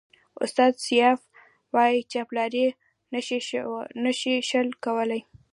استاد سياف وایي چاپلاري نشي شل کولای.